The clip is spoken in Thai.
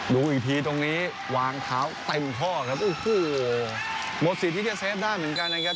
ดูอีกทีตรงนี้วางเท้าเต็มข้อครับโอ้โหหมดสิทธิ์ที่จะเซฟได้เหมือนกันนะครับ